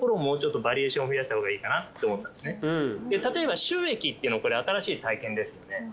例えば収益っていうのこれ新しい体験ですよね。